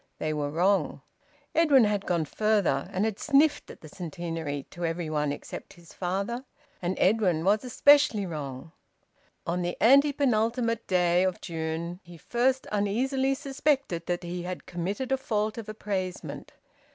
They were wrong. Edwin had gone further, and had sniffed at the Centenary, to everybody except his father. And Edwin was especially wrong. On the antepenultimate day of June he first uneasily suspected that he had committed a fault of appraisement.